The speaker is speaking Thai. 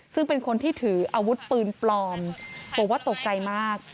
ซึ่งเป็นคนที่ถืออาวุธปืนปลอมบอกว่าตกใจมาก